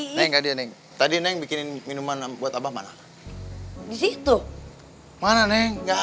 keluar lagi enggak dia neng tadi neng bikin minuman buat abang mana disitu mana neng enggak